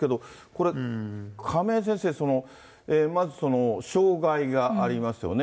これ、亀井先生、まず傷害がありますよね。